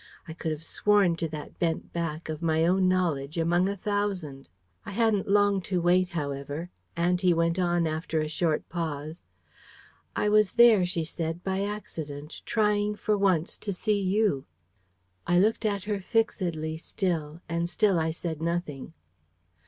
I could have sworn to that bent back, of my own knowledge, among a thousand. I hadn't long to wait, however. Auntie went on after a short pause. "I was there," she said, "by accident, trying for once to see you." I looked at her fixedly still, and still I said nothing.